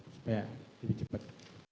supaya lebih cepat